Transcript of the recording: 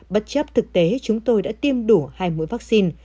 bất chấp thực tế chúng tôi đã tiêm đủ hai mũi vaccine